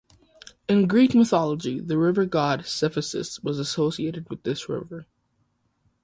In Greek mythology the river god Cephissus was associated with this river.